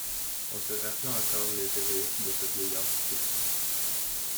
On se rappelait encore les héroïsmes de ce vieillard frétillant.